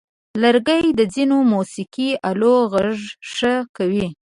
لرګی د ځینو موسیقي آلو غږ ښه کوي.